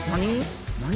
何？